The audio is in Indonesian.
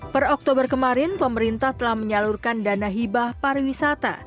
per oktober kemarin pemerintah telah menyalurkan dana hibah pariwisata